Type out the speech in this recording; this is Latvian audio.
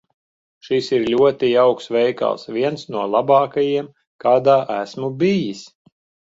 Šis ir ļoti jauks veikals. Viens no labākajiem, kādā esmu bijis.